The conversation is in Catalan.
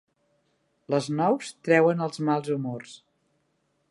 Les nous treuen els mals humors.